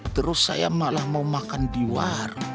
terus saya malah mau makan di warung